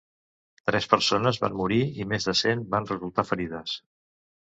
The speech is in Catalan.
Tres persones van morir i més de cent van resultar ferides.